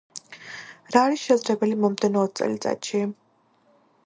რა არის შესაძლებელი მომდევნო ოც წელიწადში?